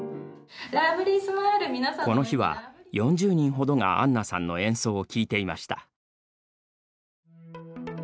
この日は４０人ほどがアンナさんの演奏を聞いていました。